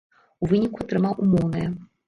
У выніку атрымаў умоўнае.